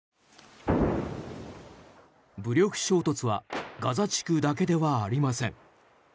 武力衝突はガザ地区だけではありません。